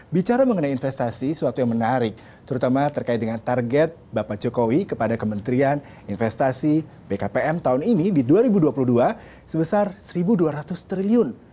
bicara mengenai investasi suatu yang menarik terutama terkait dengan target bapak jokowi kepada kementerian investasi bkpm tahun ini di dua ribu dua puluh dua sebesar rp satu dua ratus triliun